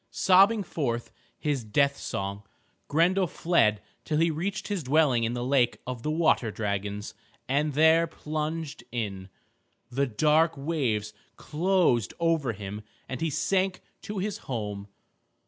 Sobbing forth his death song, Grendel fled till he reached his dwelling in the lake of the water dragons, and there plunged in. The dark waves closed over him and he sank to his home.